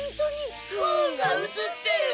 不運がうつってる！？